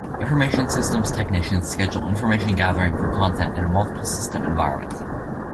Information systems technicians schedule information gathering for content in a multiple system environment.